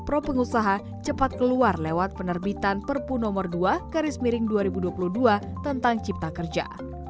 pro pengusaha cepat keluar lewat penerbitan perpu nomor dua garis miring dua ribu dua puluh dua tentang cipta kerja